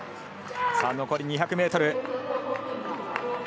残り２００ｍ。